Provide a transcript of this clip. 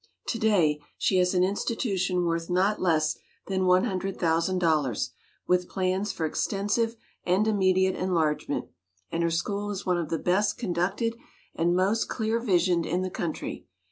To day she has an institution worth not less than one hundred thousand dollars, with plans for extensive and immediate enlarge ment, and her school is one of the best con ducted and most clear visioned in the coun try.